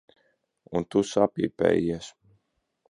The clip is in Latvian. Un tu sapīpējies.